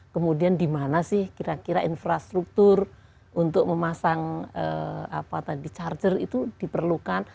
kemudian di mana sih kira kira infrastruktur untuk memasang charger itu diperlukan